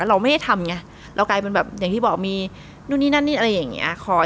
เราไม่ได้ทำไงเรากลายเป็นแบบอย่างที่บอกมีนู่นนี่นั่นนี่อะไรอย่างเงี้ยคอย